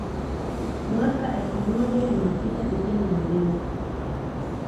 Mwaka elfu moja mia tisa sitini na mbili